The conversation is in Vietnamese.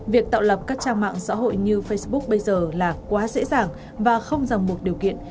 việc tạo lập các trang mạng xã hội như facebook bây giờ là quá dễ dàng và không giảng buộc điều kiện